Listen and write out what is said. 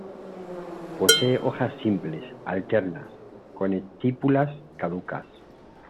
Poseen hojas simples, alternas, con estípulas caducas.